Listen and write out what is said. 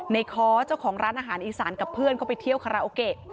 ค้อเจ้าของร้านอาหารอีสานกับเพื่อนเขาไปเที่ยวคาราโอเกะ